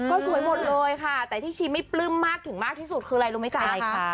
ก็สวยหมดเลยค่ะแต่ที่ชีไม่ปลื้มมากถึงมากที่สุดคืออะไรรู้ไหมจ๊ะ